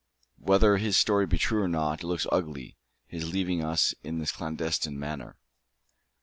Whether his story be true or not, it looks ugly, his leaving us in this clandestine manner."